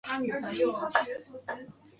卢特西亚是巴西圣保罗州的一个市镇。